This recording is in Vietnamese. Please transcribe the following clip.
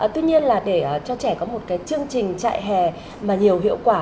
tuy nhiên là để cho trẻ có một cái chương trình trại hè mà nhiều hiệu quả